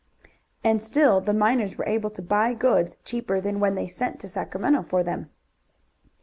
And still the miners were able to buy goods cheaper than when they sent to Sacramento for them.